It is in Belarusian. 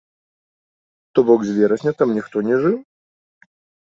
То бок з верасня там ніхто не жыў?